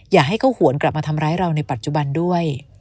อย่าให้เขาหวนกลับมาทำร้ายเราในปัจจุบันด้วย